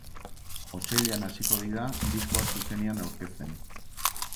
Otsailean hasiko dira diskoa zuzenean aurkezten.